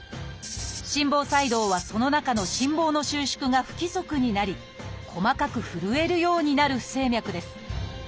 「心房細動」はその中の心房の収縮が不規則になり細かく震えるようになる不整脈です。